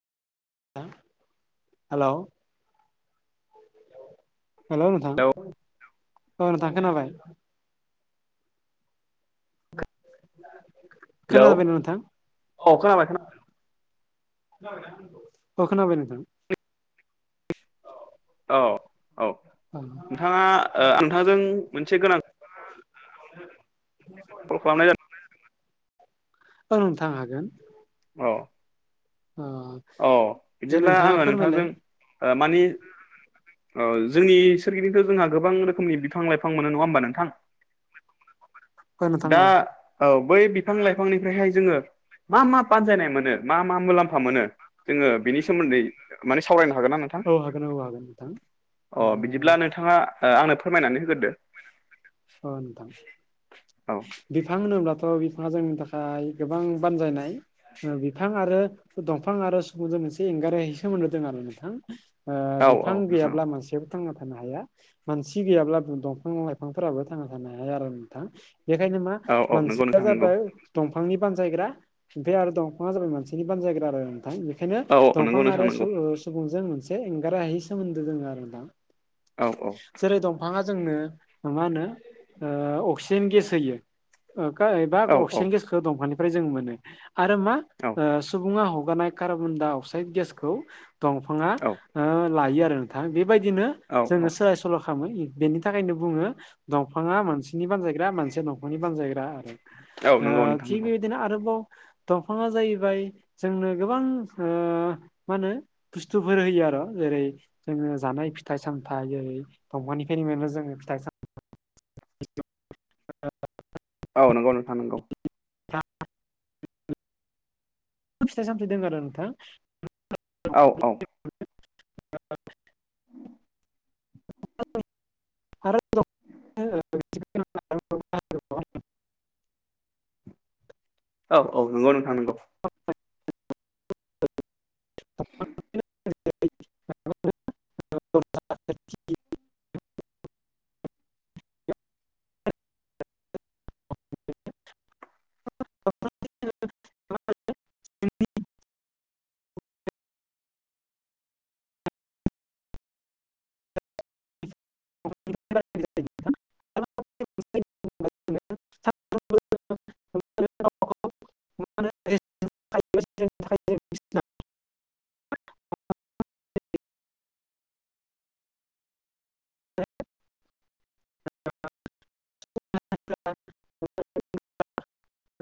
Hello hello नोंथां। Hello औ नोंथां खोनाबाय। हेलौ खोनादो नोंथां? अ औ खोनाबाय खोनाबाय नोंथां। अ औ औ नोंथाङा ओ आं नोंथांजों मोनसे गोनां कल खालामनाय [unintelligible] औ नोंथां हागोन। अ उम औ बिदिब्ला आङो नोंथांजों ओ मानि जोंनि सोरगिदिंथ' जोंहा गोबां रोखोमनि बिफां लाइफां मोनो नङा होमबा नोंथां? [inaudible] नोंथां दा औ औ बै बिफां लाइफांनिफ्रायहाय जोङो मा मा बानजायनाय मोनो मा मा मुलाम्फा मोनो? जोङो बेनि सोमोन्दै माने सावरायनो हागोन ना नोंथां? औ हागोन औ हगोन नोंथां। अ बिदिब्ला ओ नोंथाङा ओ आंनो फोरमायनानै होगोरदो। औ नोंथां। औ बिफां होनोब्लाथ' बिफाङा जोंनि थाखाय गोबां बानजायनाय नैबे बि फां आरो दंफां आरो सुबुंजोंसो एंगारै सोमोन्दो दं आरो नोंथां। ओ औ औ बिफां नोंथां गैयाब्ला मानसे थांना थानो हाया मानसि गैयाब्लाबो दंफां लाइफांफ्राबो थांना थानो हाया आरो नोंथां? बेखायनो मा औ औ नंगौ मानसिया नोंथां नंगौ जाबाय दंफांनि बानजायग्रा ओमफाय आरो दंफाङा जाबाय मानसिनि बानजायग्रा आरो। थां बेखायनो औ औ नंगौ दंफां नोंथां आरो नंगौ सु ओ सुबुंजों मोनसे एंगार हायै सोमोन्दो दोङो आरो नदां। औ औ। जेरै दंफाङा जोंनो मा होनो ओ अक्सिजेन गेस होयो। ओखा एबा औ औ अक्सिजेन गेसखो दंफांनिफ्राय जों मोनो। आरो मा ओ सुबुङा हगारनाय कार्बन दडा अक्साइद गेसखौ दंफाङा औ ओ लायो आरो नोंथां बेबायदिनो औ औ जोङो सोलाय सल' खालामो इ बेनि थाखायनो बुङो दंफाङा मोनसिनि बानजायग्रा मानसिया दंफांनि बानजायग्रा आरो। औ आ नंगौ नोंथां थिग नंगौ बेबादिनो आरोबाव दंफाङा जाहैबाय जोंनो गोबां ओ मा होनो बुस्थुफोर होयो आर' जेरै जोङो जानाय फिथाइ साम थाइ ओरै दंफांनिफायनो मोनो जोङो फिथाइ सा [inaudible] औ नोंगौ नोंथां नंगौ। फिथाइ सामथाइ दोङो आरो नोंथां। औ औ। [unintelligible] [unintelligible] [unintelligible] औ औ नंगौ नोंथां नोंगौ। [unintelligible] [unintelligible] [unintelligible] [unintelligible] [unintelligible] [unintelligible] [unintelligible]